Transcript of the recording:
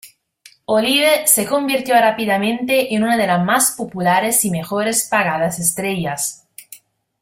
Olive se convirtió rápidamente en una de las más populares y mejores pagadas estrellas.